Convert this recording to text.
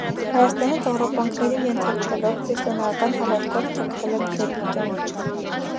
Հայաստանը, տառապանքների ենթարկվելով, քրիստոնեական հավատքով թեքվել է դեպի կյանքը։